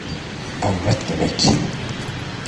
Evet bebek!